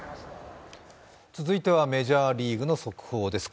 続いてはメジャーリーグの速報です。